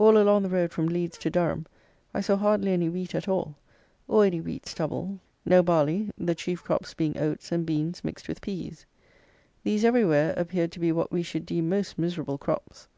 All along the road from Leeds to Durham I saw hardly any wheat at all, or any wheat stubble, no barley, the chief crops being oats and beans mixed with peas. These everywhere appeared to be what we should deem most miserable crops.